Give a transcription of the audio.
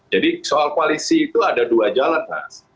jadi soal koalisi itu ada dua jalan mas